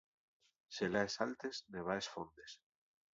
Xelaes altes, nevaes fondes.